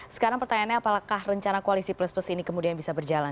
sekarang pertanyaannya apakah rencana koalisi plus plus ini kemudian bisa berjalan